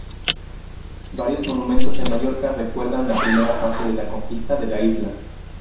Varios monumentos en Mallorca recuerdan la primera fase de la conquista de la isla.